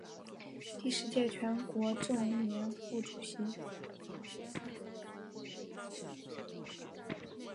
第十届全国政协副主席。